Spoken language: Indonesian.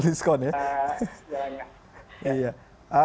banyak diskon ya